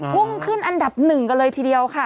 พุ่งขึ้นอันดับหนึ่งกันเลยทีเดียวค่ะ